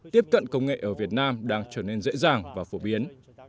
tiếp cận công nghệ ở việt nam đang trở nên dễ dàng và phổ biến